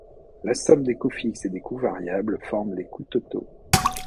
La somme des coûts fixes et des coûts variables forme les coûts totaux.